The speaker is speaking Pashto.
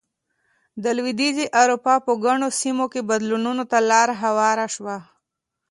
د لوېدیځې اروپا په ګڼو سیمو کې بدلونونو ته لار هواره شوه.